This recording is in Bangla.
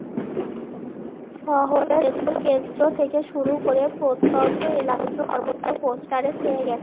শহরের মূল কেন্দ্র থেকে শুরু করে প্রত্যন্ত এলাকার সর্বত্র পোস্টারে ছেয়ে গেছে।